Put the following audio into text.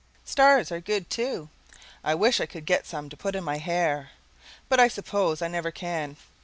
Stars are good, too. I wish I could get some to put in my hair. But I suppose I never can.